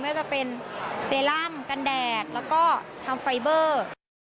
ว่าจะเป็นเซรั่มกันแดดแล้วก็ทำไฟเบอร์